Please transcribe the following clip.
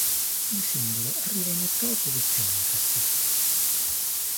Il singolo arriva in ottava posizione in classifica.